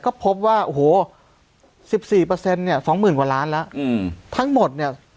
ก็พบว่าโอ้โห๑๔เนี่ย๒๐๐๐๐บาทล้านละทั้งหมดเนี่ย